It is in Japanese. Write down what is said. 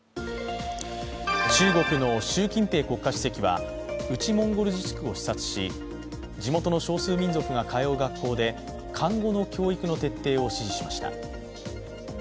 中国の習近平国家主席は内モンゴル自治区を視察し地元の少数民族が通う学校で漢語の教育の徹底を指示しました。